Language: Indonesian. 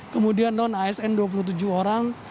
kemudian non asn dua puluh tujuh orang